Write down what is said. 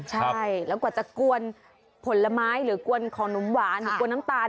ใช่แล้วกว่าจะกวนผลไม้หรือกวนของนมหวานหรือกวนน้ำตาล